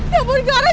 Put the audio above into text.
ya ampun clara